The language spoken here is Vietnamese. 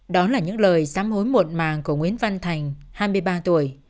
đó là những lời xám hối muộn màng của nguyễn văn thành hai mươi ba tuổi